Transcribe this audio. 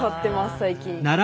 最近。